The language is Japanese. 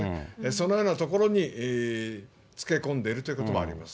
そのようなところにつけこんでいるというところもあります。